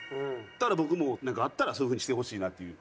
だから僕も会ったらそういうふうにしてほしいなっていう。